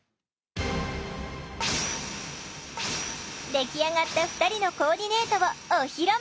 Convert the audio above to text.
出来上がった２人のコーディネートをお披露目！